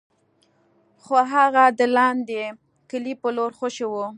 خو هغه د لاندې کلي په لور خوشې و.